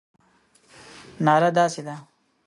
ناره داسې ده.